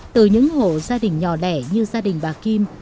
từ những hộ gia đình nhỏ lẻ như gia đình bà kim